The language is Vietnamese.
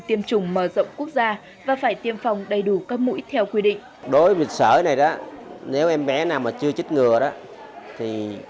tiêm chủng mở rộng quốc gia và phải tiêm phòng đầy đủ các mũi theo quy định